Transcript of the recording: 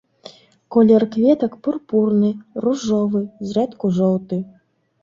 Колер кветак пурпурны, ружовы, зрэдку жоўты.